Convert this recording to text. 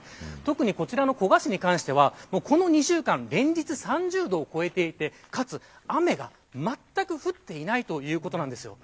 こちらの古河市に関してはこの２週間連日３０度を超えていてかつ雨がまったく降っていないということなんです。